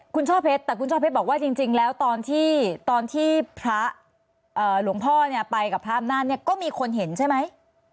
คุณช่อเพชรแต่คุณช่อเพชรบอกว่าจริงแล้วตอนที่ตอนที่พระหลวงพ่อเนี่ยไปกับพระอำนาจเนี่ยก็มีคนเห็นใช่ไหม